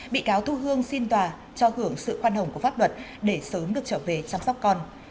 bị cáo thu hương xin tòa cho hưởng sự khoan hồng của pháp luật để sớm được trở về chăm sóc con